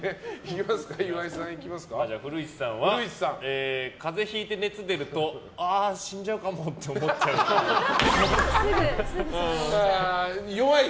古市さんは風邪ひいて熱出るとああ死んじゃうかもって思っちゃうっぽい。